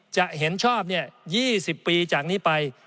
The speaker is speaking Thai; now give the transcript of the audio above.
จะเห็นชอบ๒๐ปีจากนี้ไป